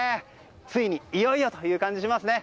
ついにいよいよという感じがしますね。